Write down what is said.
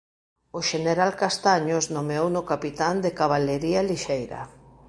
O Xeneral Castaños nomeouno capitán de Cabalería Lixeira.